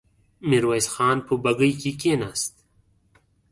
ميرويس خان په بګۍ کې کېناست.